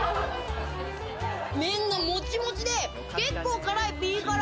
麺がモチモチで結構辛い、ピリ辛。